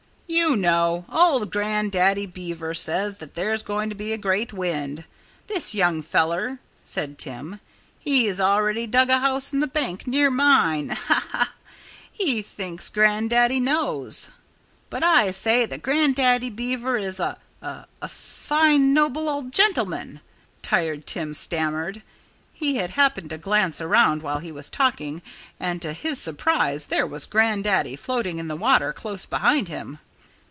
"You know, old Grandaddy Beaver says that there's going to be a great wind. This young feller " said Tim "he's already dug a house in the bank near mine ha! ha! He thinks Grandaddy knows. But I say that Grandaddy Beaver is a a fine, noble, old gentleman," Tired Tim stammered. He had happened to glance around while he was talking; and to his surprise there was Grandaddy floating in the water close behind him.